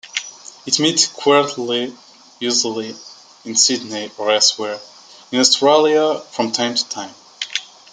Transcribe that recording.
It meets quarterly, usually in Sydney or elsewhere in Australia from time to time.